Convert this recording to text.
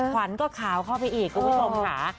ควัญก็ขาวเข้าไปอีกก็ผู้ชมขา